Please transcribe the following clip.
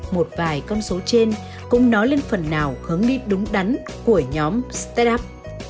một vài con số trên cũng nói lên phần nào hướng đi đúng đắn của nhóm startup